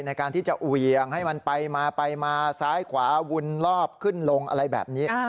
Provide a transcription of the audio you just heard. ในการที่จะเหวี่ยงให้มันไปมาไปมาซ้ายขวาวุนรอบขึ้นลงอะไรแบบนี้